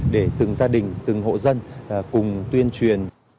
để từng gia đình từng hộ dân cùng tuyên truyền